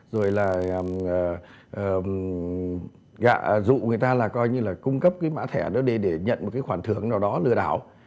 rồi là dụ người ta là coi như là cung cấp cái mã thẻ đó để nhận một cái khoản thưởng nào đó lừa đảo